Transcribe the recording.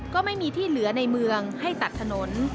ก็ไม่มีที่เหลือในเมืองให้ตัดถนน